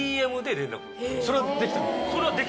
それはできたの？